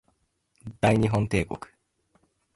大日本帝国